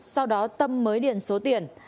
sau đó tâm mới điền số tiền